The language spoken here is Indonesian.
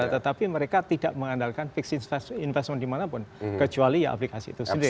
tetapi mereka tidak mengandalkan fixed investment dimanapun kecuali ya aplikasi itu sendiri